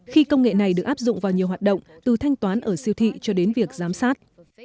khi công nghệ này được áp dụng vào nhiều hoạt động từ thanh toán ở siêu thị cho đến việc giám sát